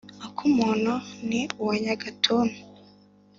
akumuntu ni uwa nyagatuntu.